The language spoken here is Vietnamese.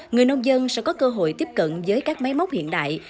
người nông dân sẽ có cơ hội tiếp cận với các máy móc hiện đại